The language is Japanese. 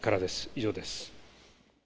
以上です。